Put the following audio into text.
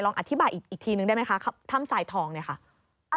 อธิบายอีกทีนึงได้ไหมคะถ้ำสายทองเนี่ยค่ะ